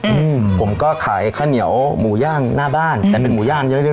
อืมผมก็ขายข้าวเหนียวหมูย่างหน้าบ้านแต่เป็นหมูย่างเยอะเยอะ